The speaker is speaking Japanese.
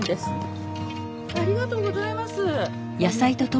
ありがとうございます。